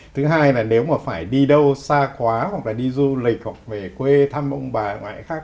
thứ hai là nếu mà phải đi đâu xa quá hoặc là đi du lịch hoặc về quê thăm ông bà ngoại khác